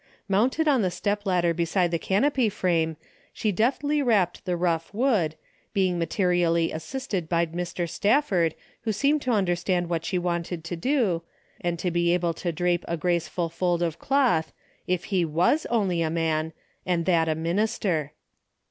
Mounted on the stepladder beside the canopy frame, she deftly draped the rough Avood, being materially assisted by Mr. Stafford who seemed to understand Avhat she wanted to do, DAILY rate:'' 227 and to be able to drape a graceful fold of cloth, if he was only a man, and that a minis ter.